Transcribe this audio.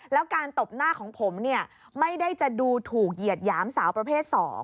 แล้วการตบหน้าของผมเนี่ยไม่ได้จะดูถูกเหยียดหยามสาวประเภท๒